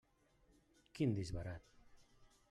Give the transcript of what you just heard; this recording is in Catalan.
Quin disbarat!